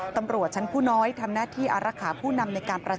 ตำรวจชั้นพูดนะครับ